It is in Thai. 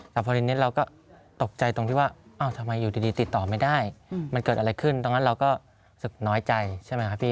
แต่พอดีนิดเราก็ตกใจตรงที่ว่าทำไมอยู่ดีติดต่อไม่ได้มันเกิดอะไรขึ้นตรงนั้นเราก็รู้สึกน้อยใจใช่ไหมครับพี่